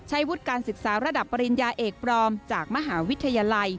วุฒิการศึกษาระดับปริญญาเอกปลอมจากมหาวิทยาลัย